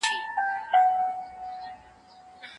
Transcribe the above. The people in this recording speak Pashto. د بدن دفاعي سیسټم په مېوو قوي کیږي.